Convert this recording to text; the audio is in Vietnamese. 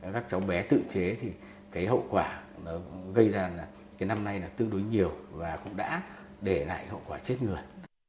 các cháu bé tự chế thì cái hậu quả nó gây ra là cái năm nay là tương đối nhiều và cũng đã để lại hậu quả chết người